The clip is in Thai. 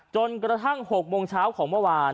จนกระทั่ง๖โมงเช้าของเมื่อวาน